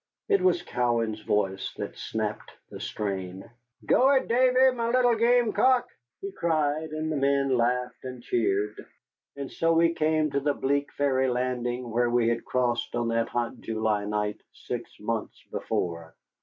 It was Cowan's voice that snapped the strain. "Go it, Davy, my little gamecock!" he cried, and the men laughed and cheered. And so we came to the bleak ferry landing where we had crossed on that hot July night six months before.